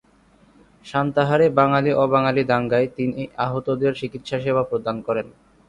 সান্তাহারে বাঙালি-অবাঙালি দাঙ্গায় তিনি আহতদের চিকিৎসাসেবা প্রদান করেন।